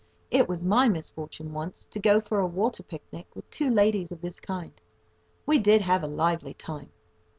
It was my misfortune once to go for a water picnic with two ladies of this kind. We did have a lively time!